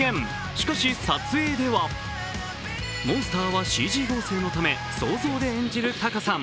しかし、撮影ではモンスターはＣＧ合成のため想像で演じるＴａｋａさん。